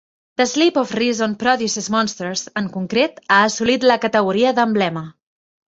"The Sleep of Reason Produces Monsters", en concret, ha assolit la categoria d"emblema.